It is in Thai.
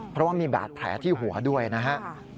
เพราะว่ามีบาดแถที่หัวด้วยนะฮะ